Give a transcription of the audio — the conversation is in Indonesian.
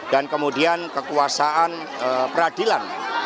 dan kemudian kekuasaan peradilan